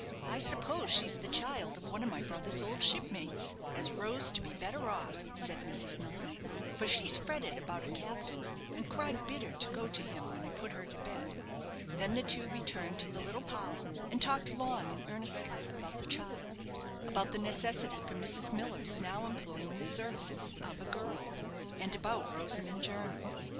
"I suppose she's the child of one of my brother's old shipmates, as rose to be better off," said Mrs. Miller, "for she's fretted about a captain, and cried bitter to go to him when I put her to bed." Then the two returned to the little parlour, and talked long and earnestly about the child, about the necessity for Mrs. Miller's now employing the services of "a girl," and about Rosamond Jernam.